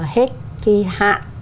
hết cái hạ